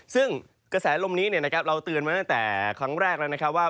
ซึ่งกระแสลมนี้เราเตือนมาตั้งแต่ครั้งแรกแล้วนะครับว่า